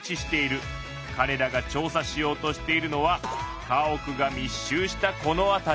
かれらが調査しようとしているのは家屋が密集したこの辺り。